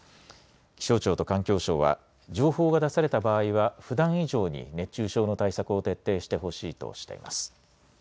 気象庁と環境省は情報が出された場合はふだん以上に熱中症の対策を徹底してほしいとしています。